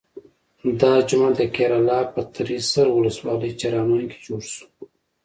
دا جومات د کیراله په تریسر ولسوالۍ چرامان کې جوړ شو.